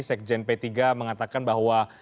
sekjen p tiga mengatakan bahwa